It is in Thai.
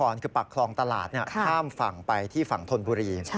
คือปากคลองตลาดข้ามฝั่งไปที่ฝั่งธนบุรี